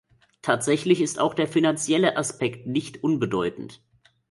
Tatsächlich ist auch der finanzielle Aspekt nicht unbedeutend.